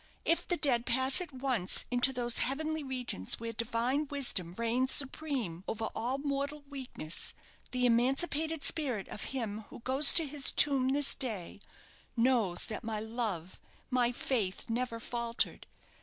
If the dead pass at once into those heavenly regions were Divine Wisdom reigns supreme over all mortal weakness, the emancipated spirit of him who goes to his tomb this day knows that my love, my faith, never faltered.